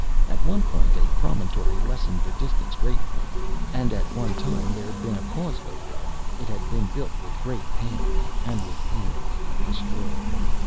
At one point a promontory lessened the distance greatly, and at one time there'd been a causeway there. It had been built with great pains, and with pains destroyed.